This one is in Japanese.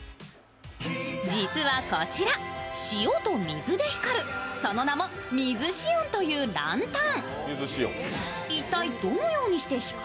実はこちら、塩と水で光るその名もミズシオンというランタン。